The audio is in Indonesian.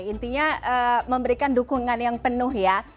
intinya memberikan dukungan yang penuh ya